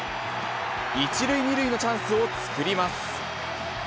一塁二塁のチャンスを作ります。